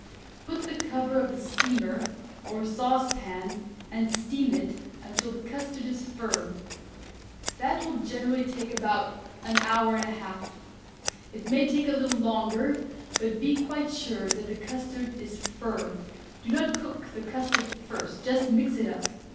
Put the cover on the steamer, or sauce pan, and steam it until the custard is firm. That will generally take about an hour and a half. It may take a little longer, but be quite sure that the custard is firm. Do not cook the custard first, just mix it up.